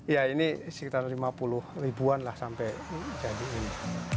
ya ini sekitar lima puluh ribuan lah sampai jadi ini